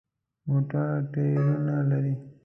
موټر ټایرونه لري.